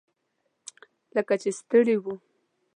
لکه چې ستړي وو.